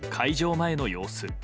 前の様子。